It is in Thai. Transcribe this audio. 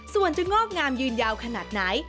ส่วนจะงอกงามยืนยาวขนาดไหน